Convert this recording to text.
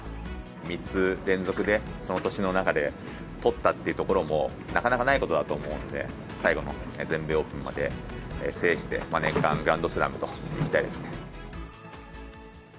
３つ連続で、その年の中でとったっていうところも、なかなかないことだと思うので、最後の全米オープンまで制して、年間グランドスラムといきたいですね。